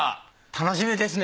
楽しみですね。